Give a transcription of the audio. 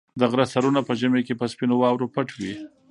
د غره سرونه په ژمي کې په سپینو واورو پټ وي.